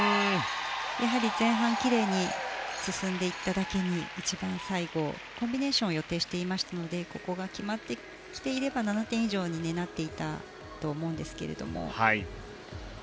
やはり前半奇麗に進んでいっただけに一番最後、コンビネーションを予定していましたのでここが決まってきていれば７点以上になっていたと思うんですけれども。